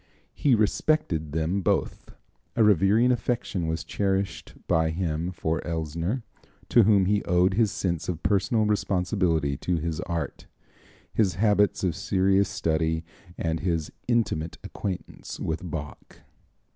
He respected them both. A revering affection was cherished by him for Elsner, to whom he owed his sense of personal responsibility to his art, his habits of serious study and his intimate acquaintance with Bach.